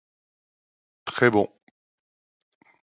Très bon.